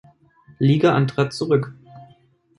Liga antrat, zurück.